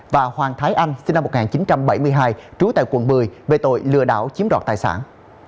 và hoàng thái anh sinh năm một nghìn chín trăm bảy mươi hai trú tại quận một mươi về tội lừa đảo chiếm đoạt tài sản